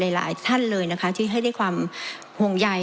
หลายท่านเลยที่ให้ได้ความห่วงใย